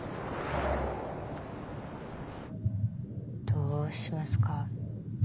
どうしますか？